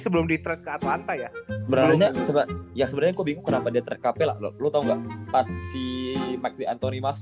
sebelum di track ke atlanta ya sebenarnya ya sebenarnya kok bingung kenapa dia track kapella lo